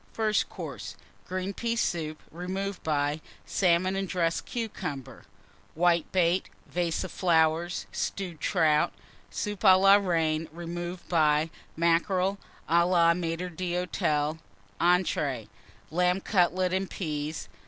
First Course. Green Pea Soup, removed by Salmon and dressed Cucumber. Whitebait. Vase of Stewed Trout Flowers. Soup à la Reine, removed by Mackerel à la Maitre d'Hôtel. Entrées Lamb Cutlets and Peas.